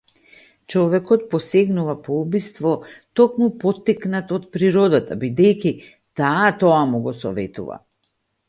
Човекот посегнува по убиство токму поттикнат од природата, бидејќи таа тоа му го советува.